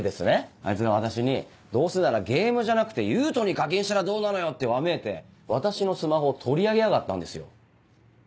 あいつが私に「どうせならゲームじゃなくて勇人に課金したらどうなのよ」ってわめいて私のスマホを取り上げやがったんですよ。